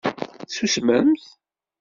Tusmemt?